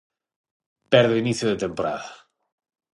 Perde o inicio de temporada.